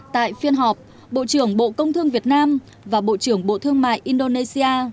tại phiên họp bộ trưởng bộ công thương việt nam và bộ trưởng bộ thương mại indonesia